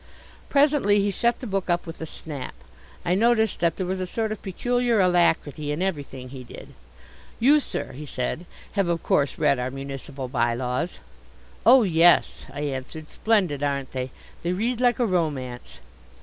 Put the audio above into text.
Presently he shut the book up with a snap. I noticed that there was a sort of peculiar alacrity in everything he did. "You, sir," he said, "have, of course, read our municipal by laws?" "Oh, yes," I answered. "Splendid, aren't they? They read like a romance."